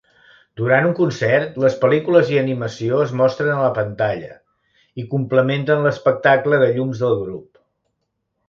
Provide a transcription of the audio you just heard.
Durant un concert, les pel·lícules i animacions es mostren a la pantalla, i complementen l'espectacle de llums del grup.